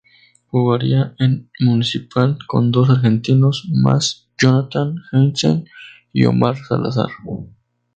Jugará en Municipal con dos Argentinos más Jonathan Hansen y Omar Zalazar.